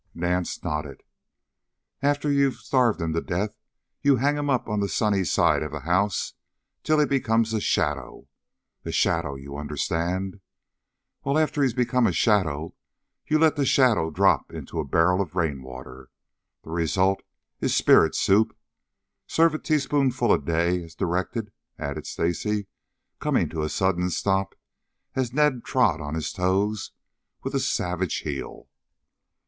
Nance nodded. "After you've starved him to death you hang him up on the sunny side of the house till he becomes a shadow. A shadow, you understand? Well, after he's become a shadow you let the shadow drop into a barrel of rainwater. The result is spirit soup. Serve a teaspoonful a day as directed," added Stacy, coming to a sudden stop as Ned trod on his toes with a savage heel.